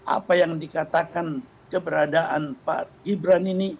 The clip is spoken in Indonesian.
apa yang dikatakan keberadaan pak gibran ini